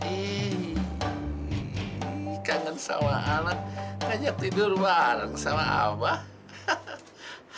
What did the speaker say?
hei hei kangen sama anak ngajak tidur bareng sama abah